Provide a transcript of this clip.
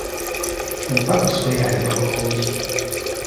Omupakasi oyo alima bulungi.